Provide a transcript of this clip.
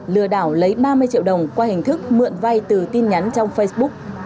lừa đảo lấy ba mươi triệu đồng qua hình thức mượn vai từ tin nhắn trong facebook